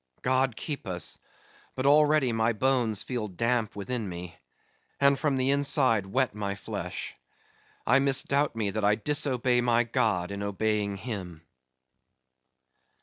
"God keep us, but already my bones feel damp within me, and from the inside wet my flesh. I misdoubt me that I disobey my God in obeying him!"